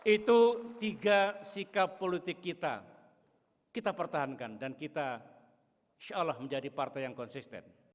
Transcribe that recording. itu tiga sikap politik kita kita pertahankan dan kita insya allah menjadi partai yang konsisten